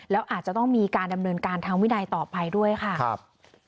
แล้วอาจจะต้องมีการดำเนินการทางวินัยต่อไปด้วยค่ะครับ